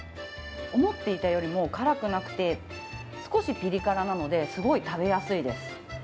思っていたよりも辛くなくてすこしピリ辛なのですごい食べやすいです。